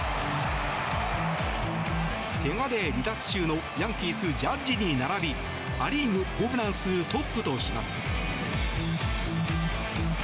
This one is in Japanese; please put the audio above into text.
けがで離脱中のヤンキース、ジャッジに並びア・リーグホームラン数トップとします。